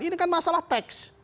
ini kan masalah teks